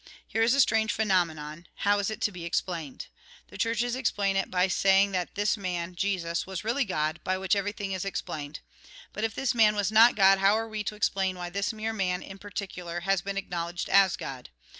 Here is a strange phenomenon ; how is it to be explained ? The Churches explain it by sayuag that this man, Jesus, was really God, by which everything is ex plained. But if this man was not God, how are we to explain why this mere man, in particular, has been acknowledged as God